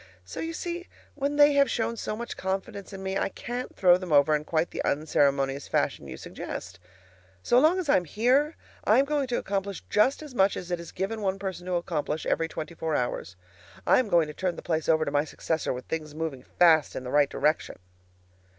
So you see, when they have shown so much confidence in me, I can't throw them over in quite the unceremonious fashion you suggest. So long as I am here, I am going to accomplish just as much as it is given one person to accomplish every twenty four hours. I am going to turn the place over to my successor with things moving fast in the right direction.